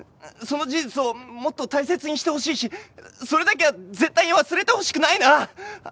その事実をもっと大切にしてほしいしそれだけは絶対に忘れてほしくないなあ。